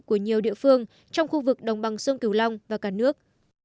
của nhiều địa phương trong khu vực đồng bằng sông kiều long và cả nước